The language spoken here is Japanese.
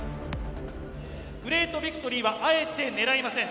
グレートビクトリーはあえて狙いません。